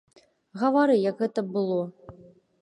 Гавары, як гэта было?